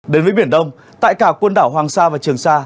đến với biển đông tại cả quần đảo hoàng sa và trường sa